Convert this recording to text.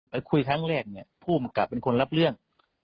ไปคุยครั้งแรกเนี่ยผู้บังกลับเป็นคนรับเรื่อง